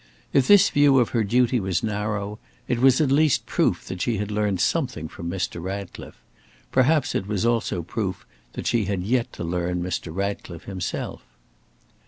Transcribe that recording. If this view of her duty was narrow, it was at least proof that she had learned something from Mr. Ratcliffe; perhaps it was also proof that she had yet to learn Mr. Ratcliffe himself.